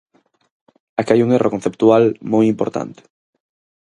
Aquí hai un erro conceptual moi importante.